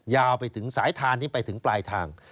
ยาวไปถึงสายทานที่ไปถึงปลายทาง